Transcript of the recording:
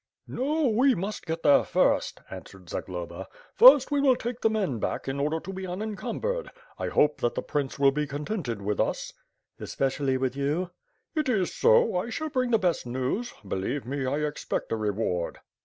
"No, we must get there first," answered Zagloba, "First we will take the men back, in order to be unencumbered. I hope that the prince will be contented with us." "Especially with you." "It is so, I shall bring the best news. Believe me, I ex pect a reward."